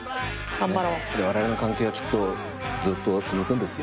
われわれの関係はきっとずっと続くんですよ。